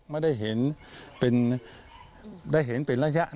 ไม่ได้เห็นเป็นระยะ